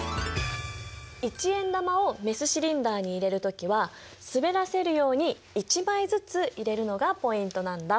１円玉をメスシリンダーに入れる時は滑らせるように１枚ずつ入れるのがポイントなんだ。